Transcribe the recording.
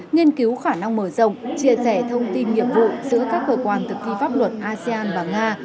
nghiên cứu khả năng mở rộng chia sẻ thông tin nhiệm vụ giữa các cơ quan thực thi pháp luật asean và nga